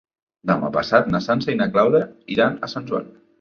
Demà passat na Sança i na Clàudia iran a Sant Joan.